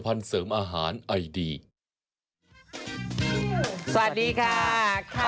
ข้าวใส่ไข่สดใหม่ให้เยอะ